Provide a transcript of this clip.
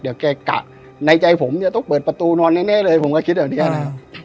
เดี๋ยวแกกะในใจผมอย่าต้องเปิดประตูนอนแน่แน่เลยผมก็คิดแบบนี้อ่า